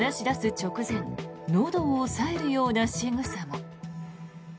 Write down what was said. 直前のどを押さえるようなしぐさも。